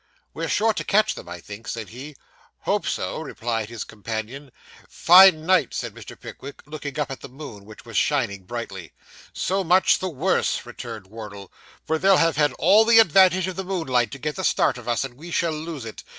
'We're sure to catch them, I think,' said he. 'Hope so,' replied his companion. 'Fine night,' said Mr. Pickwick, looking up at the moon, which was shining brightly. 'So much the worse,' returned Wardle; 'for they'll have had all the advantage of the moonlight to get the start of us, and we shall lose it.